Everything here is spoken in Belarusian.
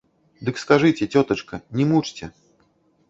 Дык скажыце, цётачка, не мучце!